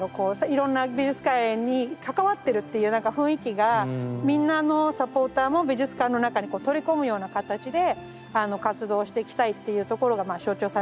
いろんな美術館に関わってるっていう雰囲気がみんなあのサポーターも美術館の中にこう取り込むような形で活動していきたいっていうところがまあ象徴されてるかなと思います。